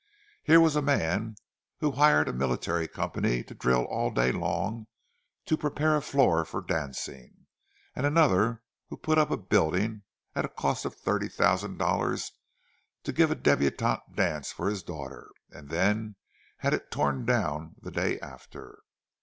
Here was a man who hired a military company to drill all day long to prepare a floor for dancing; and another who put up a building at a cost of thirty thousand dollars to give a débutante dance for his daughter, and then had it torn down the day after.